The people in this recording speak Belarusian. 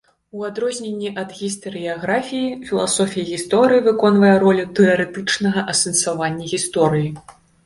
У адрозненне ад гістарыяграфіі, філасофія гісторыі выконвае ролю тэарэтычнага асэнсавання гісторыі.